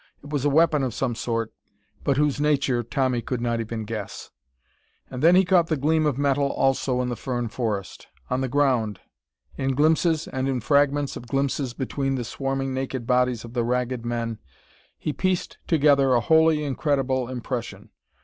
It was a weapon of some sort, but whose nature Tommy could not even guess. And then he caught the gleam of metal also in the fern forest. On the ground. In glimpses and in fragments of glimpses between the swarming naked bodies of the Ragged Men, he pieced together a wholly incredible impression.